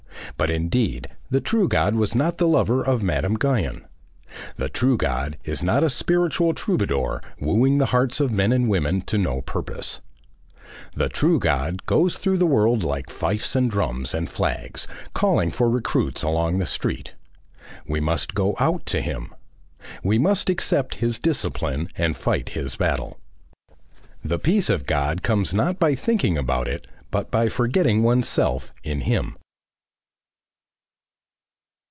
But indeed the true God was not the lover of Madame Guyon. The true God is not a spiritual troubadour wooing the hearts of men and women to no purpose. The true God goes through the world like fifes and drums and flags, calling for recruits along the street. We must go out to him. We must accept his discipline and fight his battle. The peace of God comes not by thinking about it but by forgetting oneself in him.